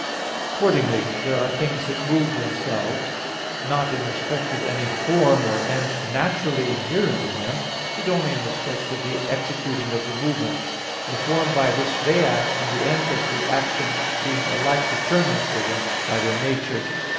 Accordingly there are things that move themselves, not in respect of any form or end naturally inherent in them, but only in respect of the executing of the movement; the form by which they act, and the end of the action being alike determined for them by their nature.